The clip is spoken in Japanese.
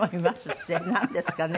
ってなんですかね？